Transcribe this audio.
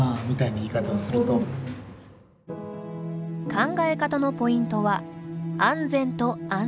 考え方のポイントは「安全と安心」。